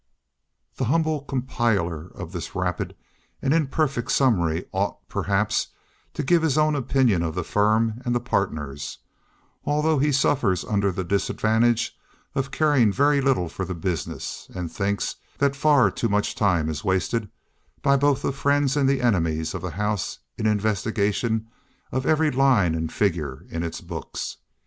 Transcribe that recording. The humble compiler of this rapid and imperfect summary ought, perhaps, to give his own opinion of the firm and the partners, although he suffers under the disadvantage of caring very little for the business, and thinks that far too much time is wasted by both the friends and the enemies of the house in investigation of every line and figure in its books.